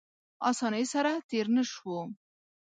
اسانۍ سره تېر نه شو.